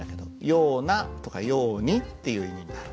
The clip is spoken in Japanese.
「ような」とか「ように」っていう意味になる。